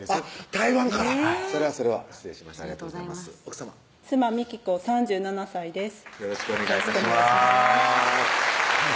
台湾からそれはそれは失礼しました奥さま妻・美貴子３７歳ですよろしくお願い致します